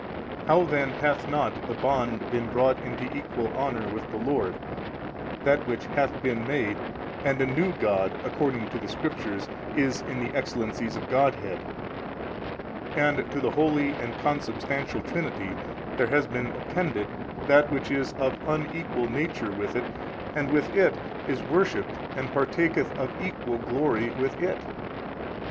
How then hath not the bond been brought into equal honour with the Lord, that which hath been made and a new god (according to the Scriptures) is in the excellencies of Godhead, and to the Holy and Consubstantial Trinity there hath been appended |260 that which is of unequal nature with It and with It is worshipped and partaketh of equal glory with It?